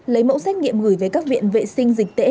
lấy mẫu xét nghiệm gửi về các viện vệ sinh dịch tễ